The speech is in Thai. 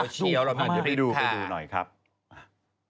อ่าเดี๋ยวเรามาดูหน่อยนะว่า